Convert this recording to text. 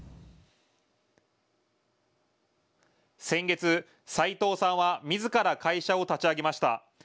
先月、斎藤さんはみずから会社を立ち上げました。